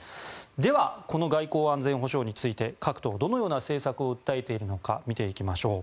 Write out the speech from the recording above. ではこの外交・安全保障について各党、どのような政策を訴えているのか見ていきましょう。